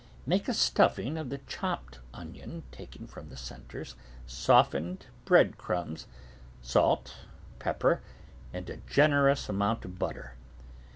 Make a stuffing of the chopped onion taken from the centres, softened bread crumbs, salt, pepper, and a generous amount of butter.